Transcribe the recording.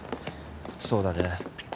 そうだね。